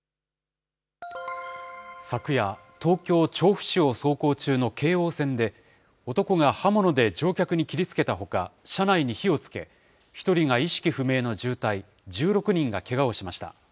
昨夜、東京・調布市を走行中の京王線で、男が刃物で乗客に切りつけたほか、車内に火をつけ、１人が意識不明の重体、１６人がけがをしました。